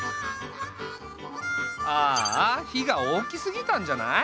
ああ火が大きすぎたんじゃない？